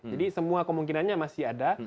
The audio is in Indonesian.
jadi semua kemungkinannya masih ada